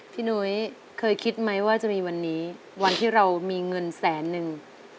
นุ้ยเคยคิดไหมว่าจะมีวันนี้วันที่เรามีเงินแสนนึง